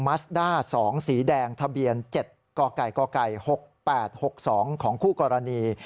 ัสด้า๒สีแดงทะเบียน๗กก๖๘๖๒ของคู่กรณี